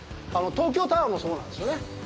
東京タワーもそうなんですよね。